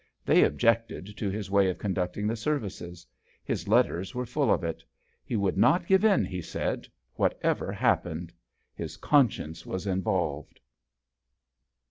They objected to his way of conducting the services. His letters were full of it. He would not give in, he said, whatever happened. His conscience was involved.